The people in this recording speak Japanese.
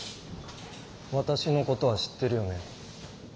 私のことは知ってるよね？